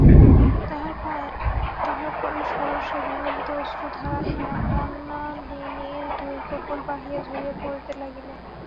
তাহার পরে সহসা বিগলিত অশ্রুধারা হেমনলিনীর দুই কপোল বাহিয়া ঝরিয়া পড়িতে লাগিল।